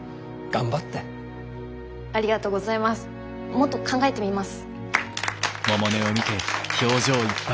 もっと考えてみます。